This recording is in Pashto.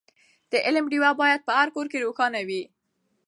د علم ډېوه باید په هر کور کې روښانه وي.